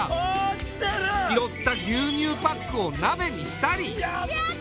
拾った牛乳パックを鍋にしたり。